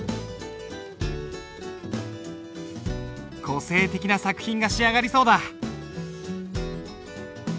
個性的な作品が仕上がりそうだ。